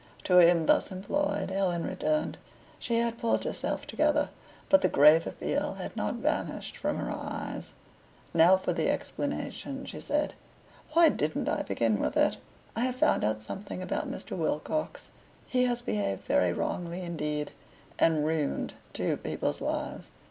To him thus employed Helen returned. She had pulled herself together, but the grave appeal had not vanished from her eyes. "Now for the explanation," she said. "Why didn't I begin with it? I have found out something about Mr. Wilcox. He has behaved very wrongly indeed, and ruined two people's lives.